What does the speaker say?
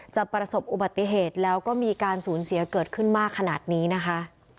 ประสบอุบัติเหตุแล้วก็มีการสูญเสียเกิดขึ้นมากขนาดนี้นะคะ